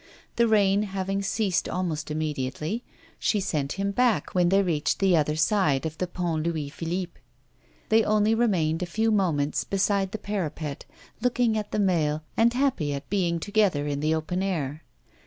The rain having ceased almost immediately, she sent him back when they reached the other side of the Pont Louis Philippe. They only remained a few moments beside the parapet, looking at the Mail, and happy at being together in the open air.